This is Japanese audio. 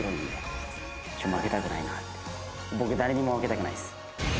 僕誰にも負けたくないっす。